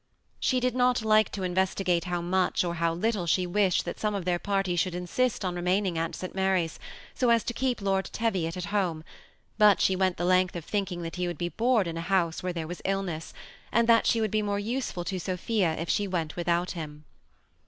She did not like to investigate how much or how little she wished that some of their party should insist on re maining at St. Mary's, so as to keep Lord Teviot at home; but she went the length of thinking that he would be bored in a house where there was illness, and that she would be more useful to Sophia if she went without him.